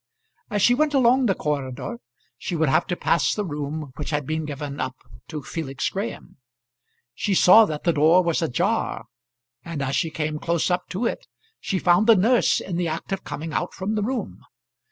As she went along the corridor she would have to pass the room which had been given up to Felix Graham. She saw that the door was ajar, and as she came close up to it, she found the nurse in the act of coming out from the room.